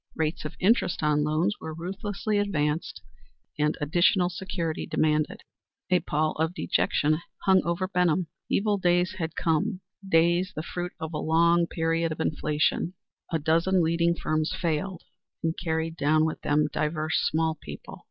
Rates of interest on loans were ruthlessly advanced, and additional security demanded. A pall of dejection hung over Benham. Evil days had come; days the fruit of a long period of inflation. A dozen leading firms failed and carried down with them diverse small people.